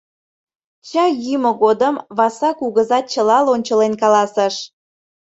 Чай йӱмӧ годым Васа кугыза чыла лончылен каласыш: